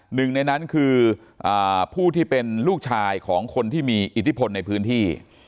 หนึ่งในนั้นคือผู้ที่เป็นลูกชายของคนที่มีอิทธิพลในพื้นที่